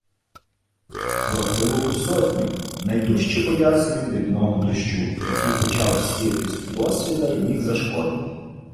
Воротилову сотню. Найдужче боявся він дрібного дощу, який почав сіятись удосвіта й міг зашкодити.